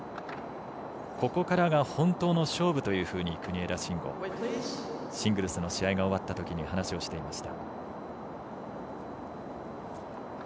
ここからが本当の勝負というふうに国枝慎吾、シングルスの試合が終わったあとに話をしていました。